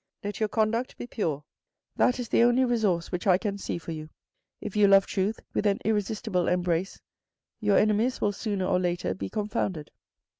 Let your conduct be pure. That is the only resource which I can see for you. If you love truth with an irresistible embrace, your enemies will sooner or later be confounded."